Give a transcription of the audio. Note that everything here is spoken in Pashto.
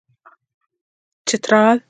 چترال